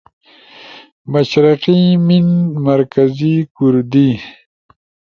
مشرقی میِن، مرکزی کُوردی